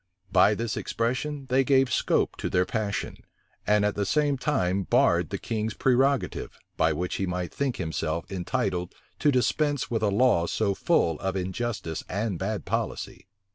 By this expression they gave scope to their passion, and at the same time barred the king's prerogative, by which he might think himself entitled to dispense with a law so full of injustice and bad policy.